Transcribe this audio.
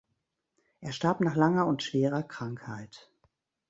Er starb nach langer und schwerer Krankheit.